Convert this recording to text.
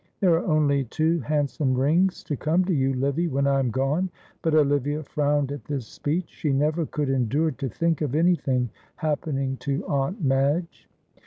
There are only two handsome rings to come to you, Livy, when I am gone," but Olivia frowned at this speech. She never could endure to think of anything happening to Aunt Madge.